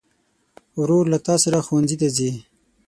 ورور له تا سره ښوونځي ته ځي.